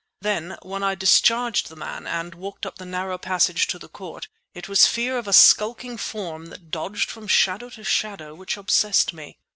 Then, when I discharged the man and walked up the narrow passage to the court, it was fear of a skulking form that dodged from shadow to shadow which obsessed me.